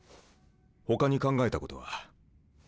ほかに考えたことは？